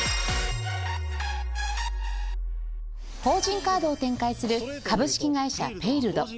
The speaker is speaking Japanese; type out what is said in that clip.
法人カードを展開する株式会社ペイルド